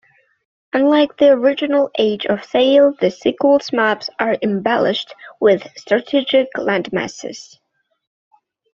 Unlike the original "Age of Sail", the sequel's maps are embellished with strategic landmasses.